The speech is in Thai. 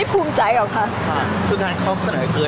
พี่ตอบได้แค่นี้จริงค่ะ